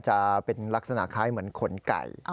จะเป็นลักษณะคล้ายเหมือนขนไก่